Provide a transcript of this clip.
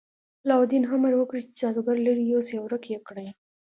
علاوالدین امر وکړ چې جادوګر لرې یوسي او ورک یې کړي.